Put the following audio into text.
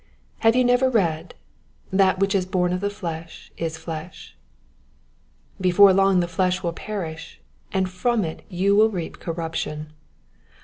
Have you never read, " That which is bom of the flesh is flesh "? Before long the flesh will per ish, and from it you will reap corruption.